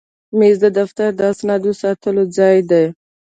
مېز د دفتر د اسنادو ساتلو ځای دی.